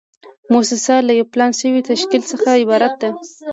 موسسه له یو پلان شوي تشکیل څخه عبارت ده.